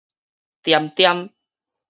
砧砧